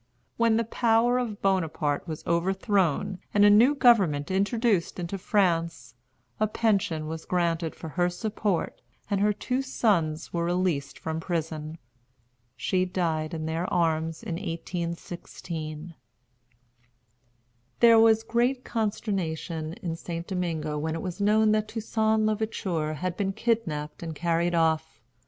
When the power of Bonaparte was overthrown, and a new government introduced into France, a pension was granted for her support, and her two sons were released from prison. She died in their arms in 1816. There was great consternation in St. Domingo when it was known that Toussaint l'Ouverture had been kidnapped and carried off.